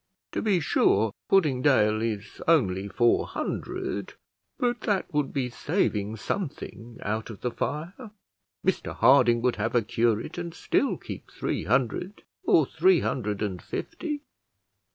To be sure Puddingdale is only four hundred, but that would be saving something out of the fire: Mr Harding would have a curate, and still keep three hundred or three hundred and fifty."